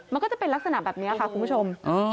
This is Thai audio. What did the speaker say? มันก็จะเป็นลักษณะแบบนี้ค่ะคุณผู้ชม